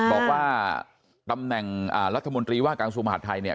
บอกว่าตำแหน่งรัฐมนตรีว่าการกระทรวงมหาดไทยเนี่ย